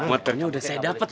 kum motornya udah saya dapet